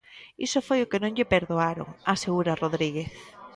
Iso foi o que non lle perdoaron, asegura Rodríguez.